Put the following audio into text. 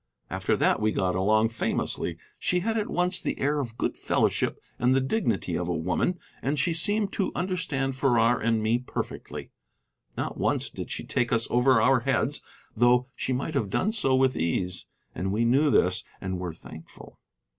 After that we got along famously. She had at once the air of good fellowship and the dignity of a woman, and she seemed to understand Farrar and me perfectly. Not once did she take us over our heads, though she might have done so with ease, and we knew this and were thankful.